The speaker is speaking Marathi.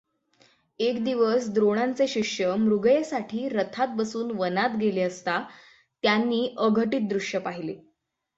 एक दिवस द्रोणांचे शिष्य मृगयेसाठी रथात बसून वनात गेले असता त्यांनी अघटित दृश्य पाहिले.